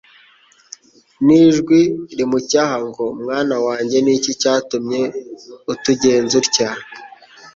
n'ijwi rimucyaha ngo : «mwana wanjye ni iki cyatumye utugenza utya?